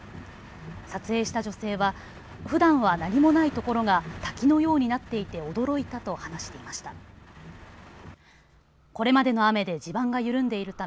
撮影した女性はふだんは何もない所が滝のようになっていて驚いたと話していました。